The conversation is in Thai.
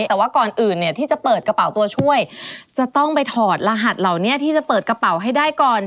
แต่ว่าก่อนอื่นเนี่ยที่จะเปิดกระเป๋าตัวช่วยจะต้องไปถอดรหัสเหล่านี้ที่จะเปิดกระเป๋าให้ได้ก่อน